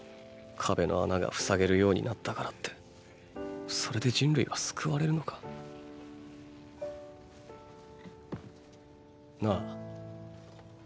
壁の穴が塞げるようになったからってそれで人類は救われるのか？なぁ。